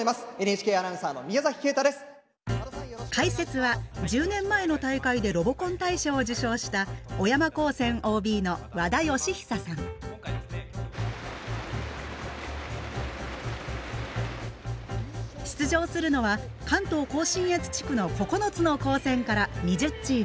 解説は１０年前の大会でロボコン大賞を受賞した出場するのは関東甲信越地区の９つの高専から２０チーム。